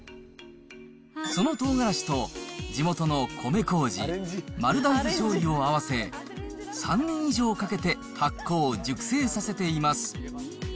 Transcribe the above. その唐辛子と地元の米こうじ、丸大豆しょうゆを合わせ、３年以上かけて発酵・熟成させています。